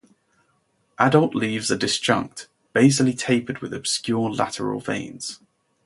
Adult leaves are disjunct, basally tapered with obscure lateral veins.